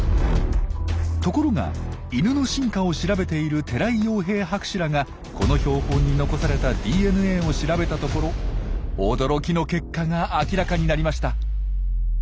ところがイヌの進化を調べている寺井洋平博士らがこの標本に残されたＤＮＡを調べたところ驚きの結果が明らかになりました。